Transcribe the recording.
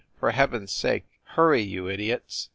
"For heaven s sake hurry, you idiots